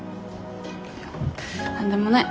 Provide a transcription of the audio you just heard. いや何でもない。